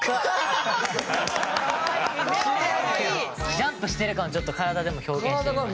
ジャンプしてる感をちょっと体でも表現してみました。